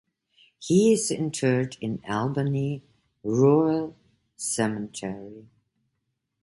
He is interred in Albany Rural Cemetery.